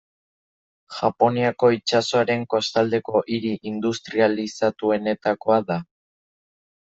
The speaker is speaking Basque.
Japoniako itsasoaren kostaldeko hiri industrializatuenetakoa da.